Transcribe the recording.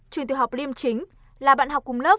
truyền từ học liêm chính là bạn học cùng lớp